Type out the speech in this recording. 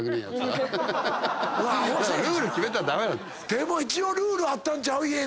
でも一応ルールあったんちゃう？